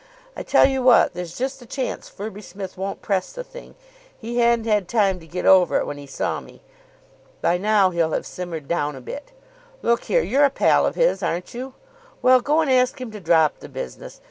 I tell you what, there's just a chance Firby Smith won't press the thing. He hadn't had time to get over it when he saw me. By now he'll have simmered down a bit. Look here, you're a pal of his, aren't you? Well, go and ask him to drop the business.